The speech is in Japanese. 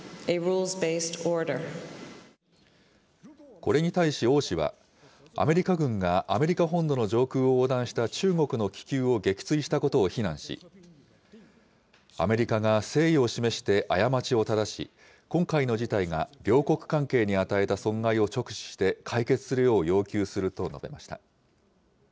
これに対し王氏は、アメリカ軍がアメリカ本土の上空を横断した中国の気球を撃墜したことを非難し、アメリカが誠意を示して過ちを正し、今回の事態が両国関係に与えた損害を直視して解決するよう要求すると述べました。